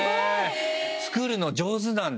作るの上手なんだ。